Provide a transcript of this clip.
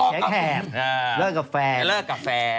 ใช้แข่มเลิกกับแฟน